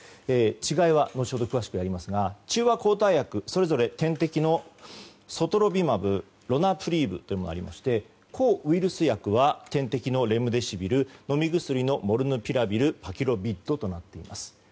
違いは後ほど詳しくやりますが中和抗体薬、それぞれ点滴のソトロビマブロナプリーブというものがありまして抗ウイルス薬は点滴のレムデシビル飲み薬のモルヌピラビルパキロビッドとなっています。